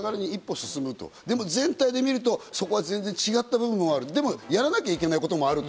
でも全体で見ると、そこは全然違った部分もある、でもやらなきゃいけないこともある。